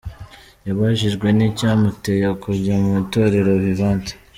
Yabajijwe n'icyamuteye kujya mu itorero Vivante.